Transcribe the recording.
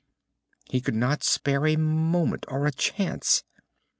He could not spare a moment, or a chance.